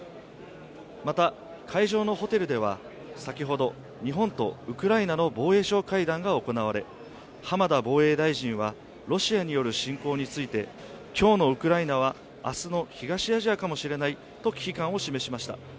また、会場のホテルでは先ほど日本とウクライナの防衛相会談が行われ、浜田防衛大臣は、ロシアによる侵攻について今日のウクライナは明日の東アジアかもしれないと、危機感を示しました。